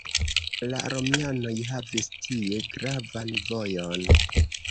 La romianoj havis tie gravan vojon.